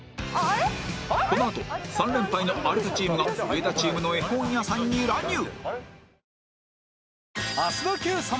このあと３連敗の有田チームが上田チームの絵本屋さんに乱入！